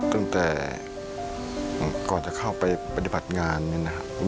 ตั้งแต่ก่อนจะเข้าไปปฏิบัติงานเนี่ยนะครับ